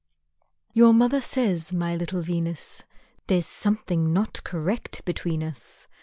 YoUB mother says, my little Venus, There 's something not correct between us.